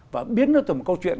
và biến nó từ một câu chuyện